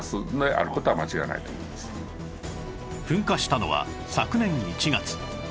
噴火したのは昨年１月